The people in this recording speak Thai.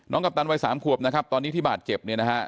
กัปตันวัย๓ขวบนะครับตอนนี้ที่บาดเจ็บเนี่ยนะฮะ